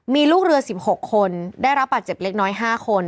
มีลูกเรือ๑๖คนได้รับบาดเจ็บเล็กน้อย๕คน